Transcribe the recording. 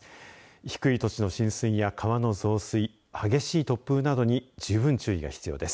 低い土地の浸水や川の増水激しい突風などに十分注意が必要です。